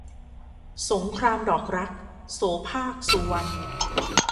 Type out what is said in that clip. สงครามดอกรัก - โสภาค สุวรรณ